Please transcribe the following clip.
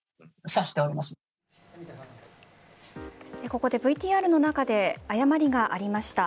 ここでＶＴＲの中で誤りがありました。